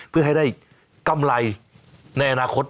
เพื่อให้ได้กำไรในอนาคต